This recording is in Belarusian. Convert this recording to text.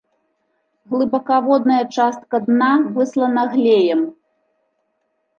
Глыбакаводная частка дна выслана глеем.